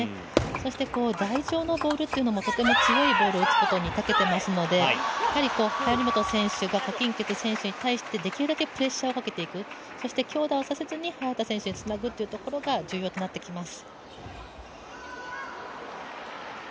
そして台上のボールというのも、とても強いボールを打つことに、たけていますので張本選手が何鈞傑選手に対して、できるだけプレッシャーをかけていくそして強打をさせずに早田選手につなぐというのが重要となってきます。